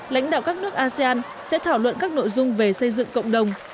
lãnh đạo các nước asean sẽ thảo luận các nội dung về xây dựng cộng đồng